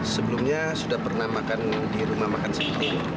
sebelumnya sudah pernah makan di rumah makan sini